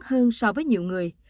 hơn so với nhiều người